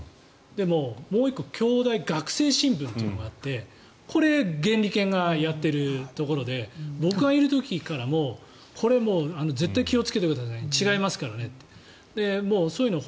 でも、もう１個京大学生新聞というのがあってこれ、原理研がやっているところで僕がいる時からもこれ、絶対に気をつけてください違いますからねっていうのを。